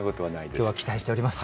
今日は期待しております。